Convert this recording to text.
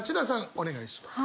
お願いします。